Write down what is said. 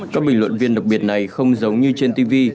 các bình luận viên đặc biệt này không giống như trên tv